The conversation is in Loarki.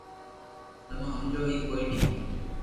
تمو ھمجو ھي ڪوئي ني